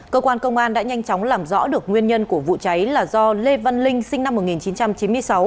cơ quan công an đã nhanh chóng làm rõ được nguyên nhân của vụ cháy là do lê văn linh sinh năm một nghìn chín trăm chín mươi sáu